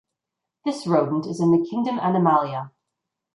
This rodent is in the Kingdom Animalia.